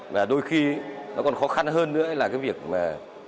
và đôi khi nó còn khó khăn hơn nữa là cái việc mà